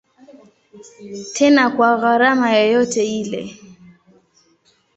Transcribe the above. Tena kwa gharama yoyote ile.